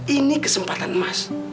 ini kesempatan mas